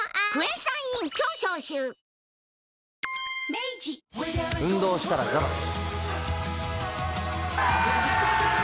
明治運動したらザバス。